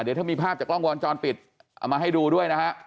เดี๋ยวถ้ามีภาพจากกล้องวงจรปิดเอามาให้ดูด้วยนะฮะ